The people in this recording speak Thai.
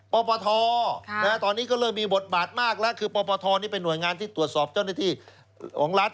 ปปทตอนนี้ก็เริ่มมีบทบาทมากแล้วคือปปทนี่เป็นหน่วยงานที่ตรวจสอบเจ้าหน้าที่ของรัฐ